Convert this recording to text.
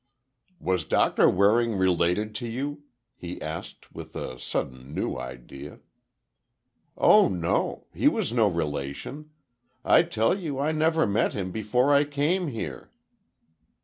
"Was Doctor Waring related to you?" he asked, with a sudden new idea. "Oh, no. He was no relation. I tell you I never met him before I came here."